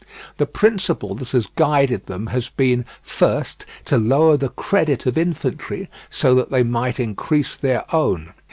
The principle that has guided them has been, first, to lower the credit of infantry so that they might increase their own.